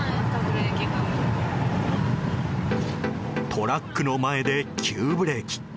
トラックの前で急ブレーキ。